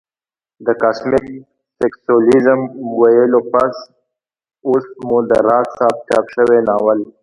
د کاسمک سېکسوليزم ويلو پس اوس مو د راز صاحب چاپ شوى ناول